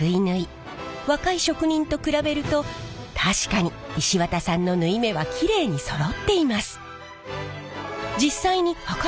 若い職人と比べると確かに石渡さんの縫い目はきれいにそろっています。